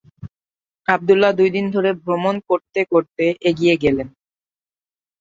আবদুল্লাহ দুইদিন ধরে ভ্রমণ করতে করতে এগিয়ে গেলেন।